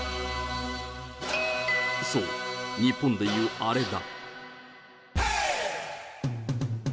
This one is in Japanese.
そう、日本でいうあれだ。